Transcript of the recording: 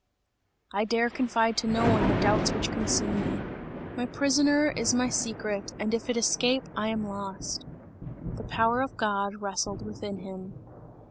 "I dare confide to none the doubts which consume me! My prisoner is my secret and if it escape I am lost!" The power of God, wrestled within him.